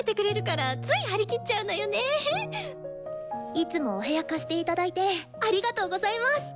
いつもお部屋貸していただいてありがとうございます。